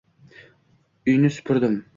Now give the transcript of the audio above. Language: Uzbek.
Uyni supurdim